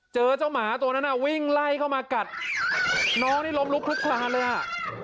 เจอเจ้าหมาตัวนั้นอ่ะวิ่งไล่เข้ามากัดน้องนี่ล้มลุกลุกคลานเลยอ่ะ